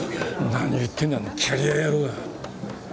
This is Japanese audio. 何言ってんだあのキャリア野郎が。